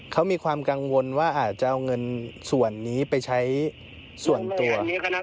เขามีความกังวลว่าอาจจะเอาเงินส่วนนี้ไปใช้ส่วนตัว